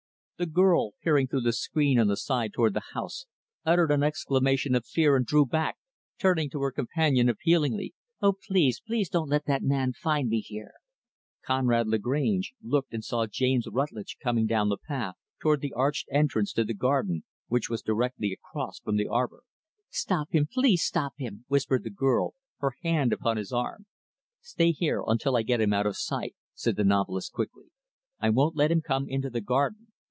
The girl, peering through the screen on the side toward the house, uttered an exclamation of fear and drew back, turning to her companion appealingly. "O please, please don't let that man find me here." Conrad Lagrauge looked and saw James Rutlidge coming down the path toward the arched entrance to the garden, which was directly across from the arbor. "Stop him, please stop him," whispered the girl, her hand upon his arm. "Stay here until I get him out of sight," said the novelist quickly. "I won't let him come into the garden.